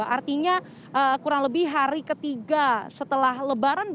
artinya kurang lebih hari ketiga setelah lebaran